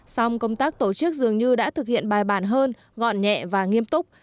song công tác tổ chức dường như đã thực hiện bài bản hơn gọn nhẹ và nghiêm túc